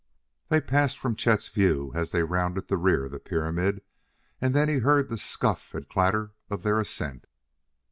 They passed from Chet's view as they rounded the rear of the pyramid, and then he heard the scuff and clatter of their ascent.